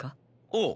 ああ。